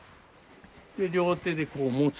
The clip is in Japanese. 両手でこう持つ？